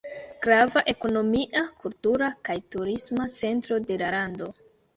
Grava ekonomia, kultura kaj turisma centro de la lando.